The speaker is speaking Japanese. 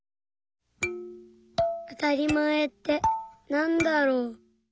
「あたりまえってなんだろう」。